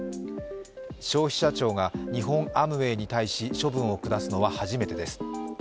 消費者庁が日本アムウェイに対し処分を下すのは初めてです。